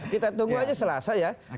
kita tunggu aja selasa ya